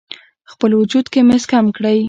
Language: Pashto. خپل وجود کې مس کم کړئ: